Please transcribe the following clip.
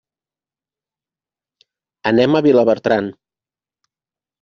Anem a Vilabertran.